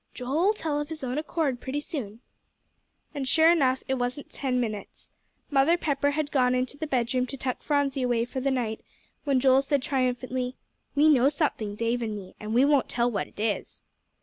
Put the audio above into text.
"Joe'll tell of his own accord, pretty soon." And sure enough, it wasn't ten minutes. Mother Pepper had gone into the bedroom to tuck Phronsie away for the night, when Joel said triumphantly, "We know something, Dave and me, and we won't tell what 'tis."